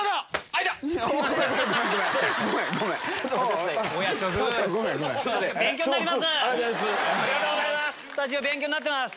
ありがとうございます！